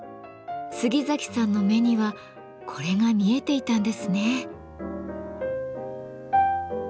杉崎さんの目にはこれが見えていたんですね。